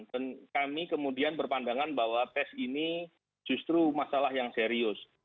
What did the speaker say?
dan kami kemudian berpandangan bahwa tes ini justru masalah yang serius